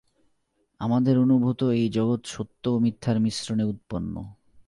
আমাদের অনুভূত এই জগৎ সত্য ও মিথ্যার মিশ্রণে উৎপন্ন।